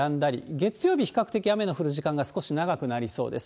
月曜日、比較的雨の降る時間が少し長くなりそうです。